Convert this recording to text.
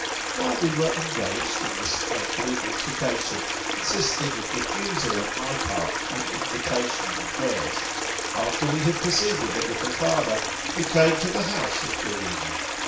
1 9 While we were engaged in this friendly altercation, [con sisting of refusal on my part, and invitation on hers,] after we had proceeded a little farther, we came to the house of Byr rhaena.